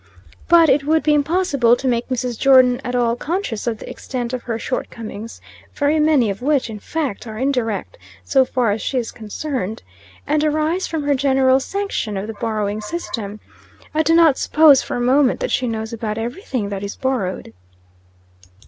But it would be impossible to make Mrs. Jordon at all conscious of the extent of her short comings, very many of which, in fact, are indirect, so far as she is concerned, and arise from her general sanction of the borrowing system. I do not suppose, for a moment, that she knows about everything that is borrowed."